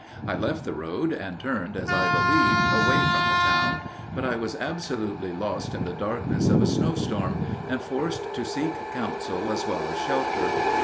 I left the road, and turned, as I believed, away from the town; but I was absolutely lost in the darkness of a snow storm, and forced to seek counsel as well as shelter.